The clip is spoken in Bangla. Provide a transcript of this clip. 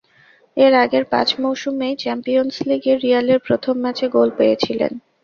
এর আগের পাঁচ মৌসুমেই চ্যাম্পিয়নস লিগে রিয়ালের প্রথম ম্যাচে গোল পেয়েছিলেন।